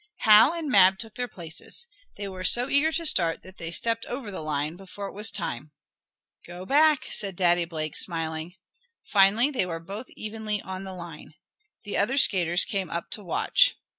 Hal and Mab took their places. They were so eager to start that they stepped over the line, before it was time. "Go back," said Daddy Blake, smiling. Finally they were both evenly on the line. The other skaters came up to watch.